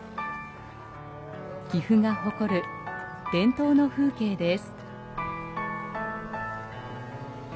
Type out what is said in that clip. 岐阜が誇る伝統の風景です。